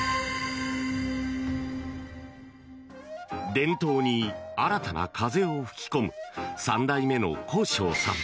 伝統に新たな風を吹き込む３代目の幸昇さん。